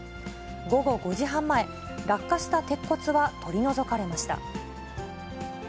午後５時半前、落下した鉄骨は取り除かれました。